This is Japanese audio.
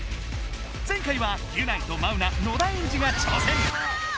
前回はギュナイとマウナ野田エンジが挑戦！